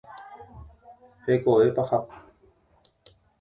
Hekove paha.